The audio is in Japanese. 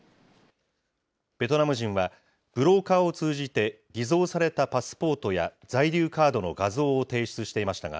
ベトナム人は、ブローカーを通じて、偽造されたパスポートや在留カードの画像を提出していましたが、